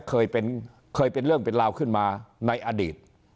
เคยเป็นเรื่องเป็นราวขึ้นมาในอดีต